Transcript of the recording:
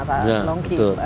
sumber kecemasan pak longki